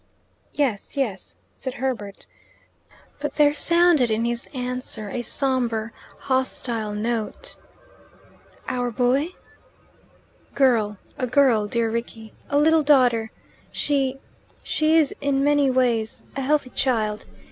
"Yes, yes," said Herbert; but there sounded in his answer a sombre hostile note. "Our boy?" "Girl a girl, dear Rickie; a little daughter. She she is in many ways a healthy child.